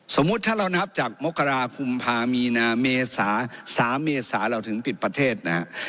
สมมุติถ้าเรานับจากมกราคุมภามีนาเมษา๓เมษาเราถึงปิดประเทศนะฮะ